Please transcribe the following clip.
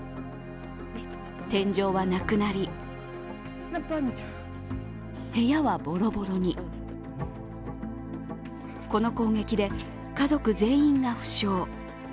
天井はなくなり、部屋はボロボロにこの攻撃で家族全員が負傷。